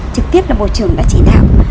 trực tiếp là bộ trưởng đã chỉ đạo